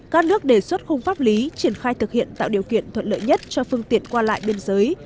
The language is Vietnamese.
các nước đề xuất khung pháp lý triển khai thực hiện tạo điều kiện thuận lợi nhất cho phương tiện qua lại biên giới